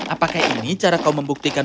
apakah ini cara kau membuktikan